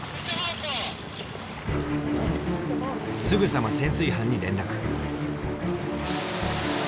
すぐさま潜水班に連絡。